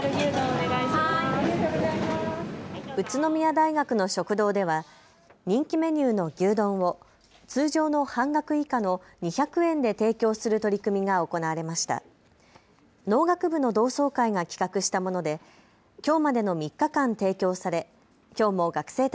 宇都宮大学の食堂では人気メニューの牛丼を通常の半額以下の２００円で提供する取り組みが行われました。